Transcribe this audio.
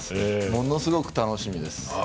ものすごく楽しみです。